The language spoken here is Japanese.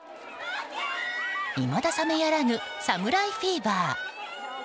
いまだ冷めやらぬ侍フィーバー。